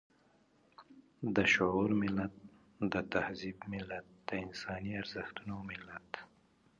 د شعور ملت، د تهذيب ملت، د انساني ارزښتونو ملت.